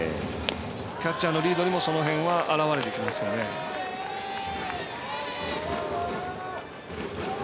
キャッチャーのリードにもその辺は表れてきますよね。